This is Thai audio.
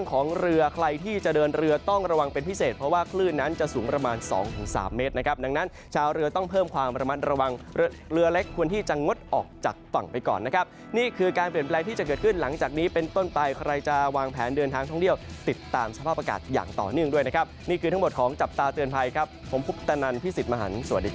ใครที่จะเดินเรือต้องระวังเป็นพิเศษเพราะว่าคลื่นนั้นจะสูงประมาณ๒๓เมตรนะครับดังนั้นชาวเรือต้องเพิ่มความระมัดระวังเรือเล็กควรที่จะงดออกจากฝั่งไปก่อนนะครับนี่คือการเปลี่ยนแปลงที่จะเกิดขึ้นหลังจากนี้เป็นต้นปลายใครจะวางแผนเดินทางท่องเดี่ยวติดตามสภาพอากาศอย่างต่อเนื่องด้วยนะครับนี่คือทั้